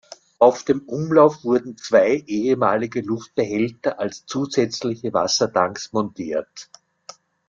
Auf dem Umlauf wurden zwei ehemalige Luftbehälter als zusätzliche Wassertanks montiert.